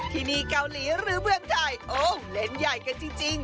ที่นี่เกาหลีหรือเมืองไทยโอ้เล่นใหญ่กันจริง